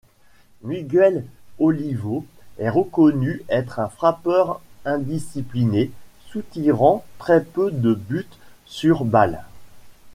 Miguel Olivo est reconnu être un frappeur indiscipliné, soutirant très peu de buts-sur-balles.